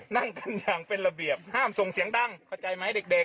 นั่งกันอย่างเป็นระเบียบห้ามส่งเสียงดังเข้าใจไหมเด็ก